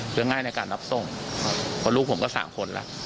เพื่อง่ายในการรับทรงผมดูผมก็สามคนละ